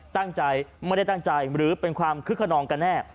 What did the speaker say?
ตั้งใจไม่ได้ตั้งใจหรือเป็นความคึกขนองกันแน่